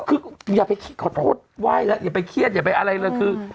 คืออย่าไปขอโทษไหว้แล้วอย่าไปเครียดอย่าไปอะไรเลยคือ